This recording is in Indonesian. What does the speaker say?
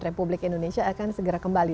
republik indonesia akan segera kembali